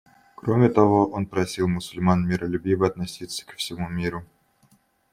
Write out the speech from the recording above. Кроме того, он просил мусульман миролюбиво относиться ко всему миру.